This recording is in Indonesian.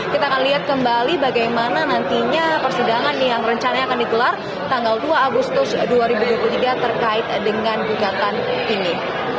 kita akan lihat kembali bagaimana nantinya persidangan yang rencananya akan digelar tanggal dua agustus dua ribu dua puluh tiga terkait dengan gugatan ini